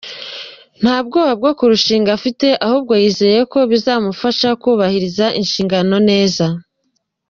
Nta bwoba bwo kurushinga afite ahubwo yizeye ko bizamufasha kubahiriza inshingano neza.